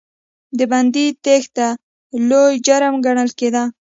د بندي تېښته لوی جرم ګڼل کېده.